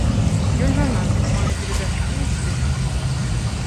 Ён жанаты, мае дзве дачкі і сына.